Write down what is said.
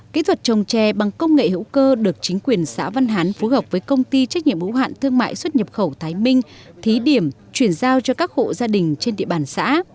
kỹ thuật trồng trè bằng công nghệ hữu cơ được chính quyền xã văn hán phối hợp với công ty trách nhiệm hữu hạn thương mại xuất nhập khẩu thái minh thí điểm chuyển giao cho các hộ gia đình trên địa bàn xã